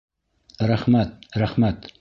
Рәхмәт, рәхмәт.